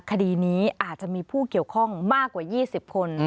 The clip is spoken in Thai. คดีนี้อาจจะมีผู้เกี่ยวข้องมากกว่า๒๐คน